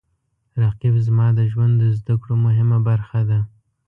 رقیب زما د ژوند د زده کړو مهمه برخه ده